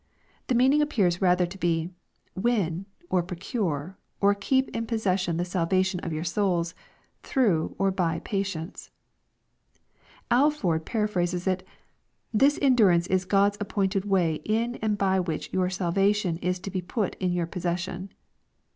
The meaning ap pears rather • to be, " Win, or procure, or keep in possession the salvation of your souls, through or by patience." Alford para phrases it, " This endurance is God's appointed way in and by which your salvation is to be put in your possession."